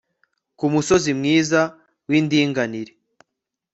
ku musozi mwiza w'ndinganire